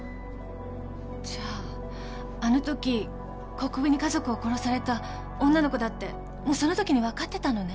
じゃあのとき国府に家族を殺された女の子だってもうそのときに分かってたのね？